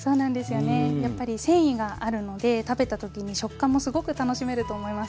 やっぱり繊維があるので食べた時に食感もすごく楽しめると思います。